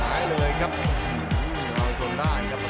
อันดับสุดท้ายของมันก็คือ